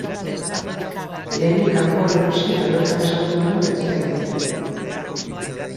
Lehenik kanpoan erosi eta bertan saldu baino ez zuten egiten.